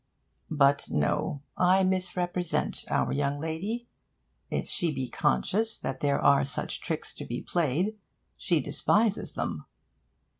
But no; I misrepresent our young lady. If she be conscious that there are such tricks to be played, she despises them.